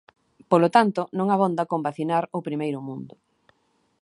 Polo tanto, non abonda con vacinar o primeiro mundo.